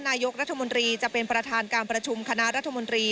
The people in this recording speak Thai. นายกรัฐมนตรีจะเป็นประธานการประชุมคณะรัฐมนตรี